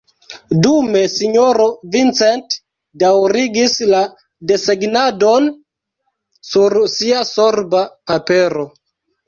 Dume sinjoro Vincent daŭrigis la desegnadon sur sia sorba papero.